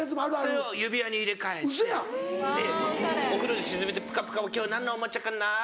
それを指輪に入れ替えてでお風呂に沈めてプカプカ「今日は何のおもちゃかな？